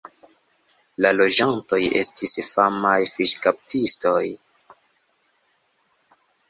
La loĝantoj estis famaj fiŝkaptistoj.